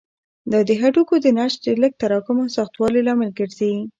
دا د هډوکو د نسج د لږ تراکم او سختوالي لامل ګرځي.